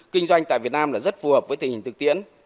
kinh doanh tại việt nam là rất phù hợp với tình hình thực tiễn